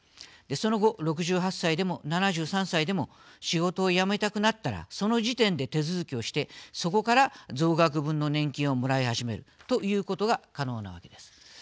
その後、６８歳でも、７３歳でも仕事を辞めたくなったらその時点で、手続きをしてそこから増額分の年金をもらい始めるということが可能なわけです。